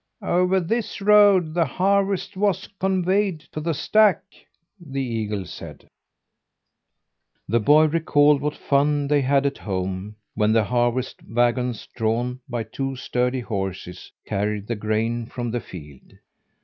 "Over this road the harvest was conveyed to the stack," the eagle said. The boy recalled what fun they had at home when the harvest wagons drawn by two sturdy horses, carried the grain from the field.